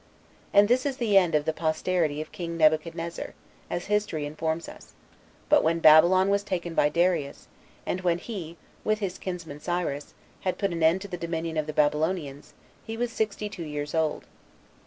And this is the end of the posterity of king Nebuchadnezzar, as history informs us; but when Babylon was taken by Darius, and when he, with his kinsman Cyrus, had put an end to the dominion of the Babylonians, he was sixty two years old.